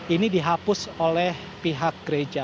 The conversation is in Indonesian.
ini dihapus oleh pihak gereja